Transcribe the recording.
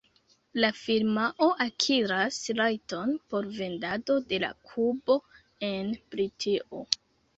La firmao akiras rajton por vendado de la kubo en Britio.